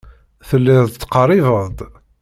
Telliḍ tettqerribeḍ-d.